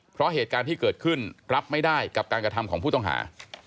เพราะเหตุการณ์ที่เกิดขึ้นรับไม่ได้กับการกระทำของผู้ต้องหา